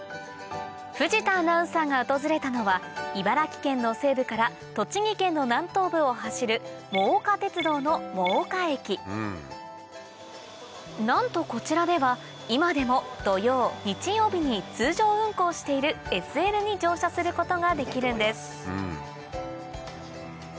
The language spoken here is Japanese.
藤田アナウンサーが訪れたのは茨城県の西部から栃木県の南東部を走る真岡鐵道の真岡駅なんとこちらでは今でも土曜日曜日に通常運行しているＳＬに乗車することができるんです